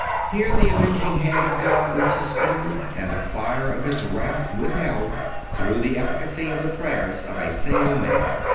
Here the avenging hand of God is suspended and the fire of His wrath withheld, through the efficacy of the prayers of a single man.